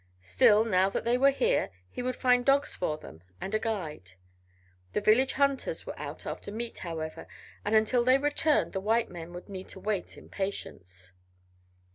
Still, now that they were here, he would find dogs for them, and a guide. The village hunters were out after meat, however, and until they returned the white men would need to wait in patience.